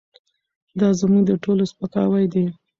دا زموږ د ټولو سپکاوی دی.